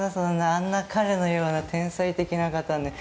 あんな彼のような天才的な方に。